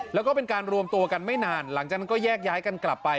แล้วก็เป็นการรวมตัวกันไม่นานหลังจากนั้นก็แยกย้ายกันกลับไป